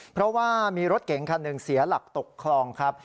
เพราะว่ามีรถเก๋งคันหนึ่งเสียหลักตกคลองครับ